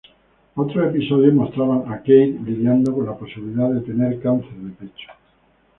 Otros episodios mostraban a Kate lidiando con la posibilidad de tener cáncer de pecho.